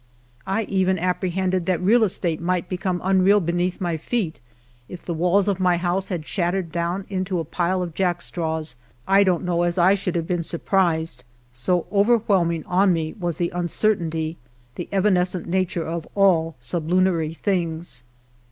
I even apprehended that real estate might become unreal beneath my feet ; if the walls of my house had shattered down into a pile of jack straws, 1 don't know as I should have been surprised, so overwhelming on me was the uncertainty, the evanescent nature of all sublunaiy things.